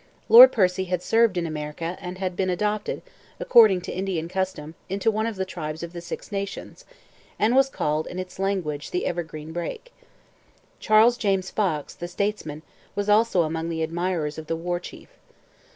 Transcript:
Lord Percy had served in America and had been adopted, according to Indian custom, into one of the tribes of the Six Nations, and was called in its language the Evergreen Brake. Charles James Fox, the statesman, was also among the admirers of the War Chief.